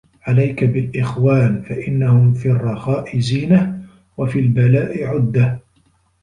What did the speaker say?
عليك بالإخوان فإنهم في الرخاء زينه وفي البلاء عُدَّةٌ